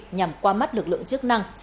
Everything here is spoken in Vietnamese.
nhằm qua mắt lực lượng chức năng